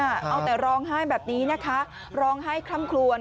เอาแต่ร้องไห้แบบนี้นะคะร้องไห้คล่ำคลวน